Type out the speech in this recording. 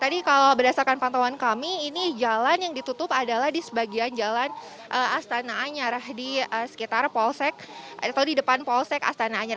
tadi kalau berdasarkan pantauan kami ini jalan yang ditutup adalah di sebagian jalan astana anyar di sekitar polsek atau di depan polsek astana anyar